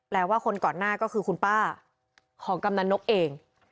ว่าคนก่อนหน้าก็คือคุณป้าของกำนันนกเอง